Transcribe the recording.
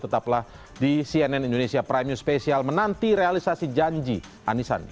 tetaplah di cnn indonesia prime news spesial menanti realisasi janji anis sandi